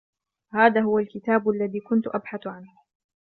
هذا هو الكتاب الذي كنت أبحث عنه